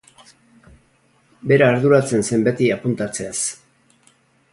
Bera arduratzen zen beti apuntatzeaz.